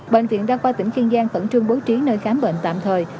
bệnh viện đa khoa tỉnh kiên giang khẩn trương bố trí nơi khám bệnh tạm thời